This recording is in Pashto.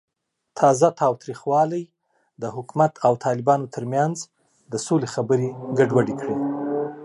تازه تاوتریخوالی د حکومت او طالبانو ترمنځ د سولې خبرې ګډوډې کړې.